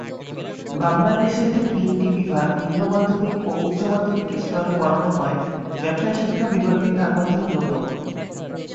বাংলাদেশে যে তিনটি বিভাগ নিম্ন মাধ্যমিক ও উচ্চ মাধ্যমিক স্তরে পড়ানো হয়, ব্যবসায় শিক্ষা বিভাগটি তার মধ্যে অন্যতম।